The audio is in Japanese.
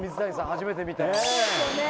初めて見たよ。